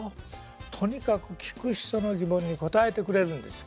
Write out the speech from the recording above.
とにかく聴く人の疑問に答えてくれるんですよ。